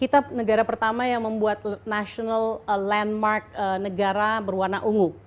kita negara pertama yang membuat national landmark negara berwarna ungu